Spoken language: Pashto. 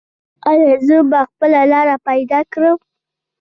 ایا زه به خپله لاره پیدا کړم؟